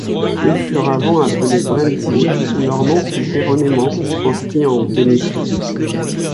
Ils furent avant appelés Brenti ou leur nom fut erronément transcrit en Benuti.